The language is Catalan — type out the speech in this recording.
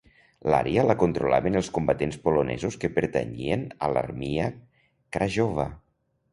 L'àrea la controlaven els combatents polonesos que pertanyien a l'"Armia Krajowa".